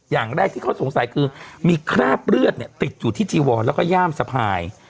อย่างแรกที่เขาสงสัยคือมีคราบเลือดเนี่ยติดอยู่ที่จีวอนแล้วก็ย่ามสะพาย